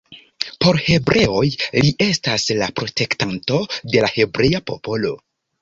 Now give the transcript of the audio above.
Por hebreoj li estas la protektanto de la hebrea popolo.